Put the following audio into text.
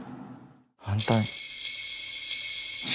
反対。